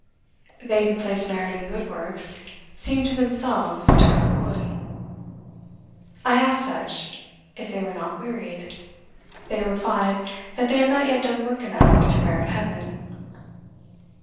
They who place merit in good works seem to themselves to cut wood. "I asked such, if they were not wearied? They replied, that they have not yet done work enough to merit heaven."